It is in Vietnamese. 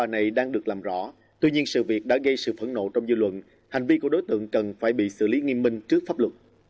hãy đăng ký kênh để nhận thêm thông tin trước pháp luật